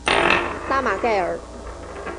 拉马盖尔。